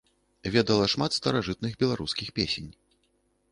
Ведала шмат старажытных беларускіх песень.